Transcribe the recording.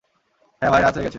হ্যাঁ ভাই, রাত হয়ে গেছে।